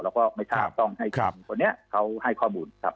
แล้วก็ไม่ทักต้องให้คุณคนเนี่ยเขาให้ข้อมูล